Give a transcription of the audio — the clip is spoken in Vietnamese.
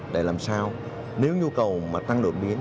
để làm sao nếu nhu cầu mà tăng đột biến